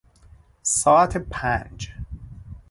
ساعت پنج